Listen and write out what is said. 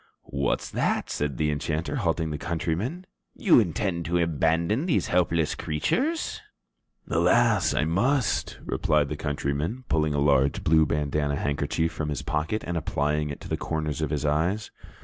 "What's that?" said the enchanter, halting the countryman. "You intend to abandon these helpless creatures?" "Alas, I must," replied the countryman, pulling a large blue bandanna handkerchief from his pocket and applying it to the corners of his eyes.